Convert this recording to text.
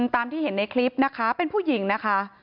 ตามที่เห็นในคลิปนะคะเป็นผู้หญิงนะคะ